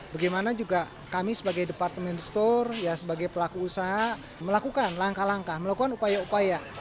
bagaimana juga kami sebagai departemen store sebagai pelaku usaha melakukan langkah langkah melakukan upaya upaya